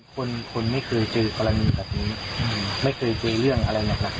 คนคนไม่เคยเจอกรณีแบบนี้ไม่เคยเจอเรื่องอะไรหนัก